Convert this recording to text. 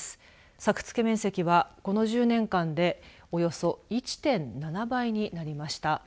作付け面積は、この１０年間でおよそ１．７倍になりました。